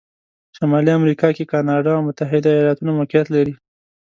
شمالي امریکا کې کانادا او متحتد ایالتونه موقعیت لري.